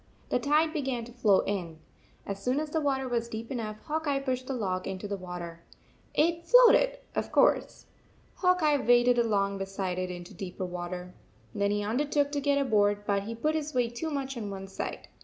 The tide began to flow in. As soon as the water was deep enough Hawk Eye pushed the log into the water. It floated, of course. Hawk Eye waded along beside it into deeper water. Then he undertook to get aboard, but he put his weight too much on one side.